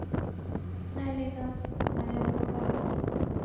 Nalegha malagho ghaw'o